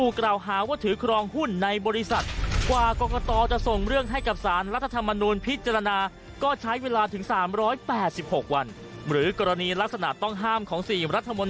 ก็กระต่อใช้เวลาพิจารณาส่งสาร